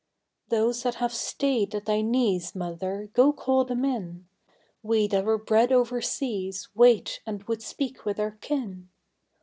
Those that have stayed at thy knees, Mother, go call them in We that were bred overseas wait and would speak with our kin.